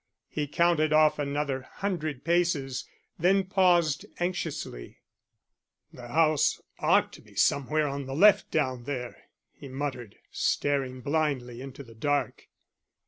He counted off another hundred paces, then paused anxiously. "The house ought to be somewhere on the left down there," he muttered, staring blindly into the dark.